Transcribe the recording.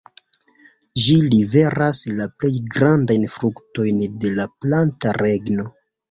Ĝi liveras la plej grandajn fruktojn de la planta regno.